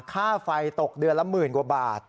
ค่าไฟตกเดือนละหมื่นกว่าบาท